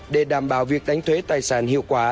để đảm bảo việc đánh thuế tài sản hiệu quả